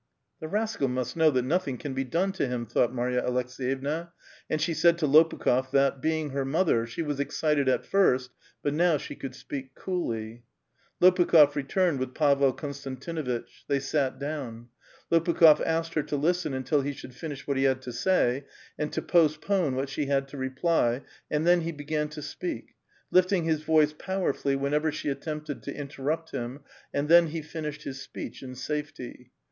" The rascal must know that nothing can be done to him," thought Marya Aleks^yevna, and sl^e said to Lopiikh6f that, being her mother, she was excited at first, but now she could speak coolly. Lopukh6f returned with Pavel Konstantinuitch ; they sat down. Lopukh6f asked her to listen until he siiould llnish what he had to say, and to postpone what she had to reply, and then he began to speak, lifting his voice powerfully whenever she attempted to interrupt him, and thus he fin ished his speech in safety.